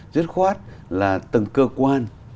rất khoát là từng cơ quan